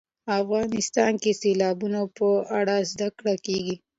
افغانستان کې د سیلابونه په اړه زده کړه کېږي.